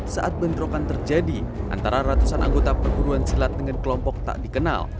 saat bentrokan terjadi antara ratusan anggota perguruan silat dengan kelompok tak dikenal